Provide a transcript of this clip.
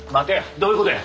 どういうことや？